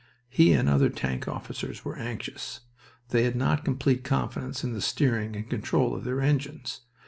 He and other tank officers were anxious. They had not complete confidence in the steering and control of their engines.